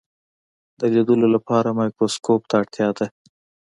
د لیدلو لپاره مایکروسکوپ ته اړتیا ده.